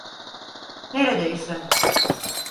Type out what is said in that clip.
Neredeyse.